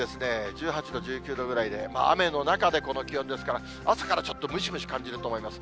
１８度、１９度ぐらいで、雨の中でこの気温ですから、朝からちょっとムシムシ感じると思います。